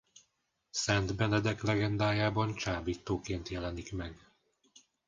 Szent Benedek legendájában csábítóként jelenik meg.